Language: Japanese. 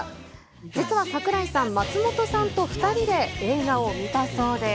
実は櫻井さん、松本さんと２人で映画を見たそうで。